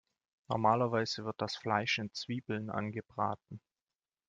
Normalerweise wird das Fleisch in Zwiebeln angebraten.